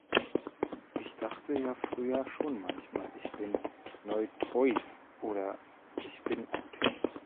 Ich dachte ja früher schon manchmal "ich bin neutrois" oder "ich bin ein Typ".